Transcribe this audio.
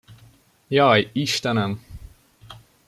Jaj, istenem!